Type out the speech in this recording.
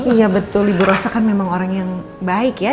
iya betul ibu rasa kan memang orang yang baik ya